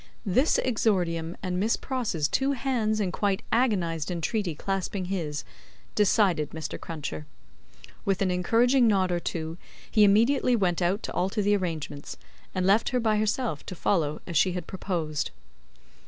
This exordium, and Miss Pross's two hands in quite agonised entreaty clasping his, decided Mr. Cruncher. With an encouraging nod or two, he immediately went out to alter the arrangements, and left her by herself to follow as she had proposed.